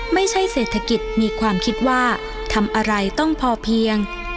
ไม่ใช่เศรษฐกิจมีความคิดว่าทำอะไรต้องพอเพียง